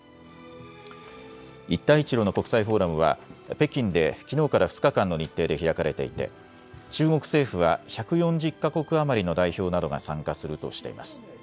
一帯一路の国際フォーラムは北京できのうから２日間の日程で開かれていて中国政府は１４０か国余りの代表などが参加するとしています。